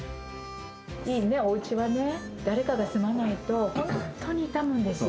いいおうちはね、誰かが住まないと、本当に傷むんですよ。